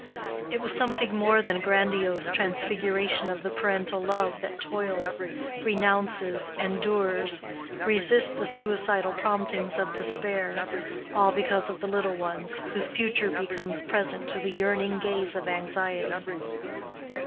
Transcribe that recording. It was something more than a grandiose transfiguration of the parental love that toils, renounces, endures, resists the suicidal promptings of despair—all because of the little ones, whose future becomes present to the yearning gaze of anxiety.